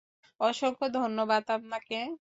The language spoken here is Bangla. অসংখ্য ধন্যবাদ আপনাকে!